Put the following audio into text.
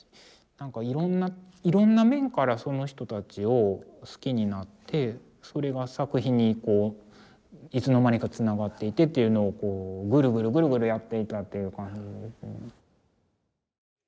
いろんな面からその人たちを好きになってそれが作品にこういつの間にかつながっていてっていうのをこうグルグルグルグルやっていたっていう感じ。